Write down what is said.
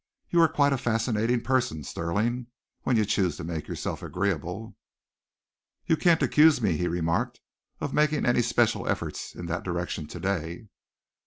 You are quite a fascinating person, Stirling, when you choose to make yourself agreeable." "You can't accuse me," he remarked, "of making any special efforts in that direction to day."